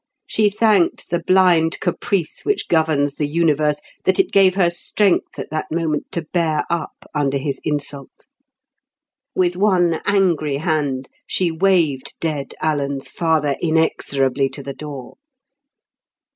She thanked the blind caprice which governs the universe that it gave her strength at that moment to bear up under his insult. With one angry hand she waved dead Alan's father inexorably to the door.